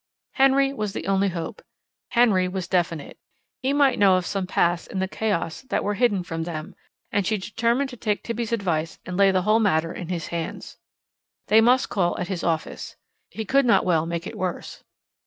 Henry was the only hope. Henry was definite. He might know of some paths in the chaos that were hidden from them, and she determined to take Tibby's advice and lay the whole matter in his hands. They must call at his office. He could not well make it worse.